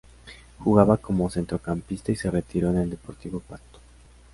Jugaba como centrocampista y se retiró en el Deportivo Pasto.